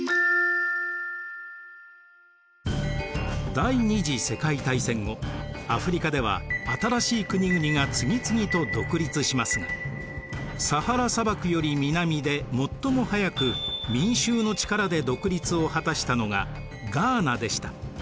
第二次世界大戦後アフリカでは新しい国々が次々と独立しますがサハラ砂漠より南で最も早く民衆の力で独立を果たしたのがガーナでした。